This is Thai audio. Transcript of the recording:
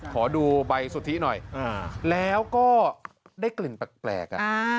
ขอดูใบสุทธิหน่อยแล้วก็ได้กลิ่นแปลก